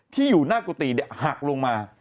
ที่อยู่หน้ากุฏิหักลงมา